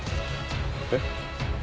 えっ？